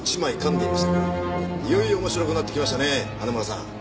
いよいよ面白くなってきましたね花村さん。